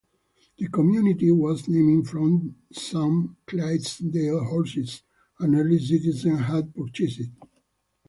The community was named from some Clydesdale horses an early citizen had purchased.